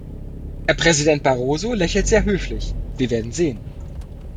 Herr Präsident Barroso lächelt sehr höflich, wir werden sehen.